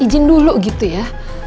ijin dulu gitu ya